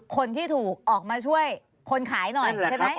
คนที่ถูกออกมาช่วยคนขายหน่อยใช่ไหม